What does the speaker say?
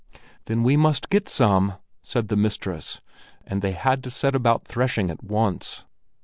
"Then we must get some," said the mistress, and they had to set about threshing at once.